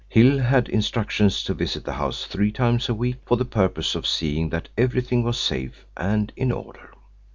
Hill had instructions to visit the house three times a week for the purpose of seeing that everything was safe and in order.